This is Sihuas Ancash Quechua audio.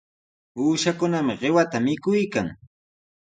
Uushakunami qiwata mikuykan.